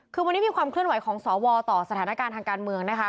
คือวันนี้มีความเคลื่อนไหวของสวต่อสถานการณ์ทางการเมืองนะคะ